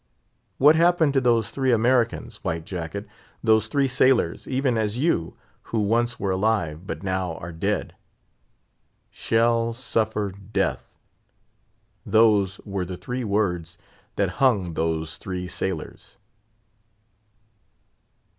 What happened to those three Americans, White Jacket—those three sailors, even as you, who once were alive, but now are dead? "Shall suffer death!" those were the three words that hung those three sailors.